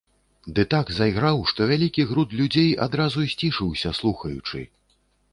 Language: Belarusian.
Ды так зайграў, што вялікі груд людзей адразу сцішыўся, слухаючы.